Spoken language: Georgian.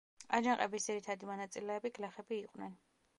აჯანყების ძირითადი მონაწილეები გლეხები იყვნენ.